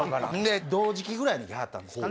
同時期ぐらいに来はったんですかね。